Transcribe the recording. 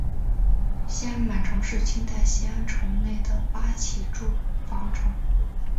西安满城是清代西安城内的八旗驻防城。